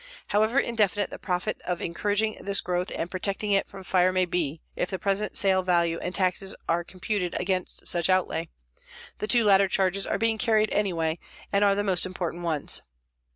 However indefinite the profit of encouraging this growth and protecting it from fire may be if the present sale value and taxes are computed against such outlay, the two latter charges are being carried anyway and are the most important ones.